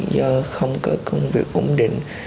do không có công việc ổn định